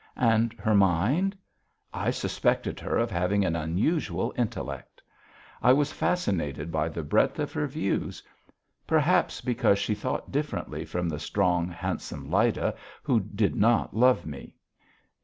And her mind? I suspected her of having an unusual intellect: I was fascinated by the breadth of her views, perhaps because she thought differently from the strong, handsome Lyda, who did not love me.